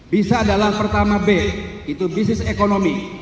bisa adalah pertama b itu bisnis ekonomi